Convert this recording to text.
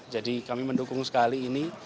jadi kami mendukung sekali ini